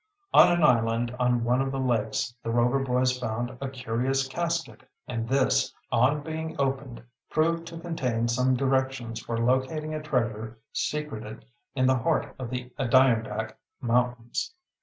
On an island on one of the lakes the Rover boys found a curious casket and this, on being opened, proved to contain some directions for locating a treasure secreted in the heart of the Adirondack Mountains.